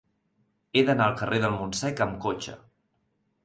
He d'anar al carrer del Montsec amb cotxe.